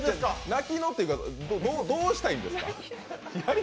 泣きのっていうかどうしたいんですか？